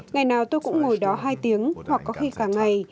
ngày nào tôi cũng ngồi đó hai tiếng hoặc có khi cả ngày